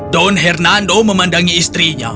don hernando memandangi istrinya